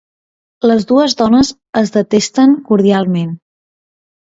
Les dues dones es detesten cordialment.